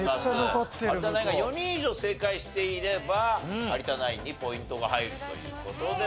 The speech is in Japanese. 有田ナインが４人以上正解していれば有田ナインにポイントが入るという事です。